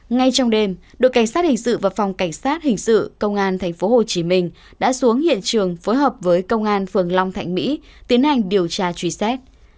ngay trong đêm đội cảnh sát hình sự và phòng cảnh sát hình sự công an thành phố hồ chí minh đã xuống hiện trường phối hợp với công an phường long thạnh mỹ tiến hành điều tra truy xét